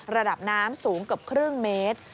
ระดับน้ำสูงเกือบครึ่งเมตร